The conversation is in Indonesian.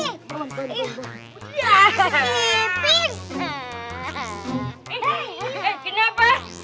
eh eh kenapa